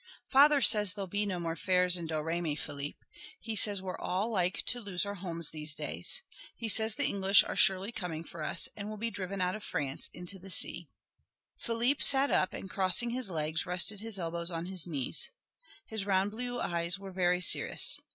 "Father says there'll be no more fairs in Domremy, Philippe. He says we're all like to lose our homes these days. He says the English are surely coming for us, and we'll be driven out of France into the sea." Philippe sat up and crossing his legs rested his elbows on his knees. His round blue eyes were very serious.